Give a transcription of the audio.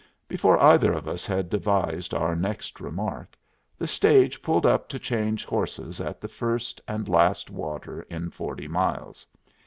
Before either of us had devised our next remark, the stage pulled up to change horses at the first and last water in forty miles.